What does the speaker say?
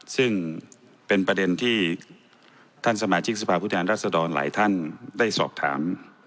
ซึ่งเป็นประเด็นที่ท่านสมาชิกสภาพผู้แทนรัศดรหลายท่านได้สอบถาม